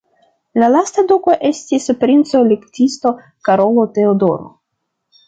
La lasta duko estis princo-elektisto Karolo Teodoro.